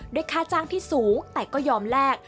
ค่าจ้างที่สูงแต่ก็ยอมแลก